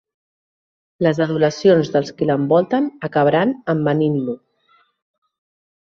Les adulacions dels qui l'envolten acabaran envanint-lo.